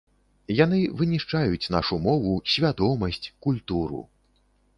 Яны вынішчаюць нашу мову, свядомасць, культуру!